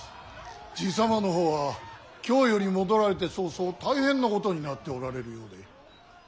爺様の方は京より戻られて早々大変なことになっておられるようで。